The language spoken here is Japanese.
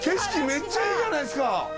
めっちゃいいじゃないですか！